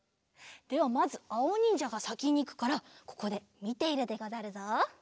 ではまずあおにんじゃがさきにいくからここでみているでござるぞ。